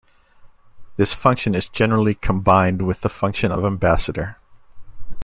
This function is generally combined with the function of Ambassador.